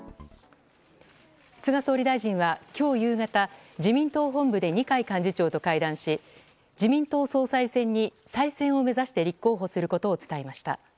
菅総理大臣は今日夕方自民党本部で二階幹事長と会談し自民党総裁選に再選を目指して立候補することを伝えました。